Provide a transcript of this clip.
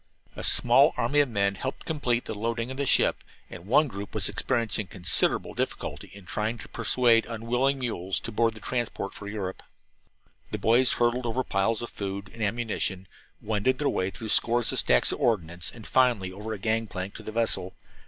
A small army of men helped complete the loading of the ship, and one group was experiencing considerable difficulty in trying to persuade unwilling mules to board the transport for Europe. The boys hurdled over piles of food and ammunition, wended their way through scores of stacks of ordnance, and finally over a gang plank to the vessel.